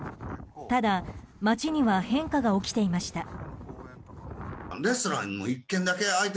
ただ、街には変化が起きていました。